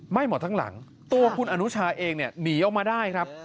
หมดทั้งหลังตัวคุณอนุชาเองเนี่ยหนีออกมาได้ครับ